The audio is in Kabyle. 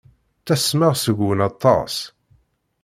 Ttasmeɣ seg-wen aṭas.